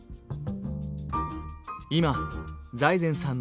今財前さん